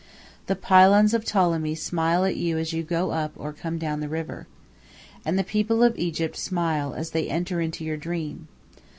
The pylons of Ptolemy smile at you as you go up or come down the river. And the people of Egypt smile as they enter into your dream.